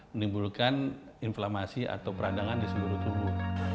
menimbulkan inflamasi atau peradangan di seluruh tubuh